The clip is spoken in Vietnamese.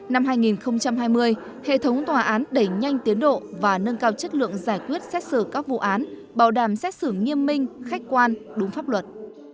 năm hai nghìn hai mươi hệ thống tòa án đẩy nhanh tiến độ và nâng cao chất lượng giải quyết xét xử các vụ án bảo đảm xét xử nghiêm minh khách quan đúng pháp luật